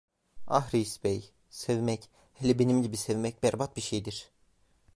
Ah, reis bey, sevmek, hele benim gibi sevmek berbat bir şeydir.